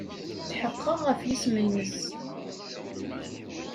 Tḥeqqeɣ ɣef yisem-nnes.